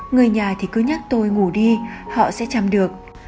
người nhà thì cứ nhắc tôi ngủ đi họ sẽ chăm được